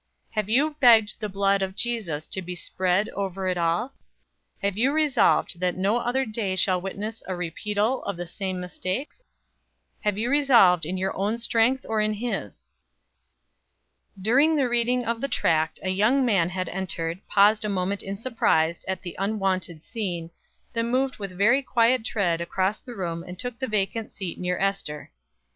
Have you begged the blood of Jesus to be spread over it all? Have you resolved that no other day shall witness a repeatal of the same mistakes? Have you resolved in your own strength or in His?" During the reading of the tract, a young man had entered, paused a moment in surprise at the unwonted scene, then moved with very quiet tread across the room and took the vacant seat near Ester.